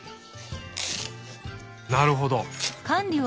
なるほど。